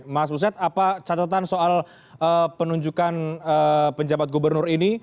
mas buset apa catatan soal penunjukan penjabat gubernur ini